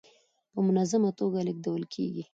په منظمه ټوګه لېږدول کيږي.